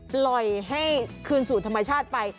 ปล่อยให้คืนสู่ธรรมชาติไป